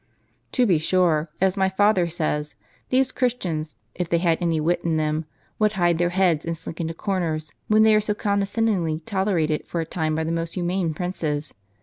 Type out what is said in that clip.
"To be sure, as my father says, these Christians, if they had any wit in them, would hide their heads, and slink into corners, when they are so condescendingly tolerated for a time by the most humane princes.